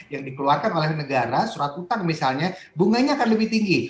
yang dikeluarkan oleh negara surat hutang misalnya bunganya akan lebih tinggi